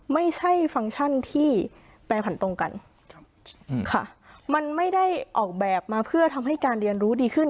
ฟังก์ชันที่แปรผันตรงกันค่ะมันไม่ได้ออกแบบมาเพื่อทำให้การเรียนรู้ดีขึ้น